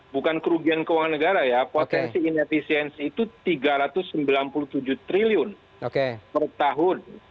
bukan kerugian keuangan negara ya potensi inefisiensi itu rp tiga ratus sembilan puluh tujuh triliun per tahun